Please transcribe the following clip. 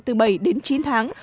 từ bảy đến chín tháng